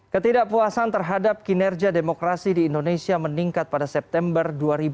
ketidakpuasan terhadap kinerja demokrasi di indonesia meningkat pada september dua ribu dua puluh